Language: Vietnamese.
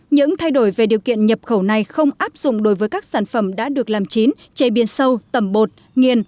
những thay đổi về điều kiện nhập khẩu này không áp dụng đối với các sản phẩm đã được làm chín chế biến sâu tẩm bột nghiền